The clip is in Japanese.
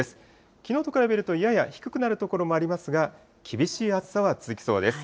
きのうと比べるとやや低くなる所もありますが、厳しい暑さは続きそうです。